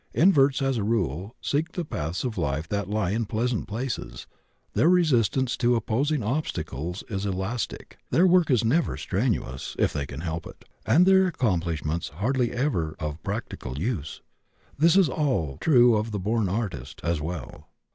Inverts, as a rule, seek the paths of life that lie in pleasant places; their resistance to opposing obstacles is elastic, their work is never strenuous (if they can help it), and their accomplishments hardly ever of practical use. This is all true of the born artist, as well.